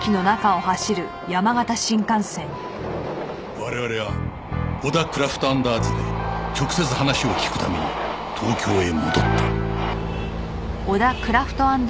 我々は小田クラフト＆アーツで直接話を聞くために東京へ戻った